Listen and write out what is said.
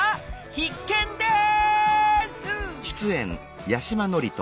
必見です！